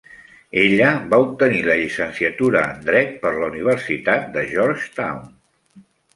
Ella va obtenir la llicenciatura en dret per la Universitat de Georgetown.